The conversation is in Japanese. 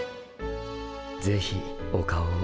ぜひお顔を。